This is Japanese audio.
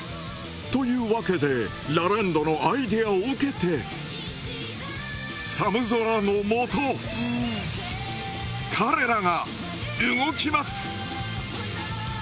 というわけでラランドのアイデアを受けて寒空のもと彼らが動きます。